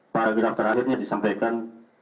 paragraf terakhirnya disampaikan